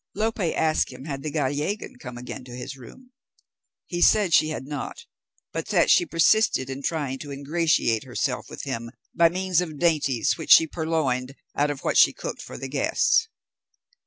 Lope asked him had the Gallegan come again to his room. He said she had not, but that she persisted in trying to ingratiate herself with him by means of dainties which she purloined out of what she cooked for the guests.